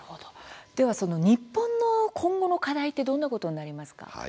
では、その日本の今後の課題ってどんなことになりますか。